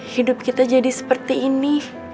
hidup kita jadi seperti ini